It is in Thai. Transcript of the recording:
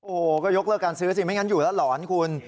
โอ้โหก็ยกเลิกการซื้อสิไม่งั้นอยู่แล้วหลอนคุณ